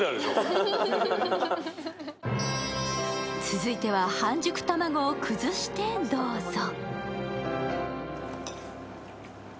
続いては半熟卵を崩してどうぞ。